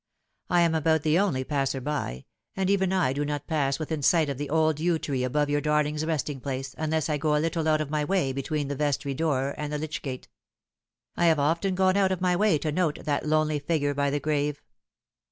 I am about the only passer by, and even I do not pass within sight of the old yew tree above your darling's resting place, unless I go a little out of my way between the vestry door and the lych gate. I have often gone out of my way to note that lonely figure by the grave.